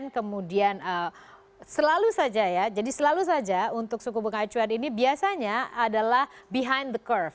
kemudian selalu saja ya jadi selalu saja untuk suku bunga acuan ini biasanya adalah behind the curve